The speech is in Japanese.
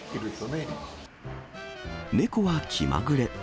猫は気まぐれ。